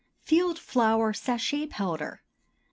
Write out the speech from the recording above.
FIELD FLOWER SACHET POWDER.